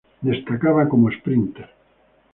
Destacaba como sprinter.